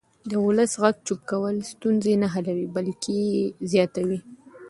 د ولس غږ چوپ کول ستونزې نه حلوي بلکې یې زیاتوي